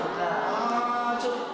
ああちょっと。